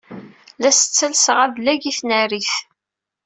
La as-ttalseɣ adlag i tnarit.